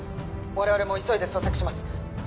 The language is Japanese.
我々も急いで捜索します！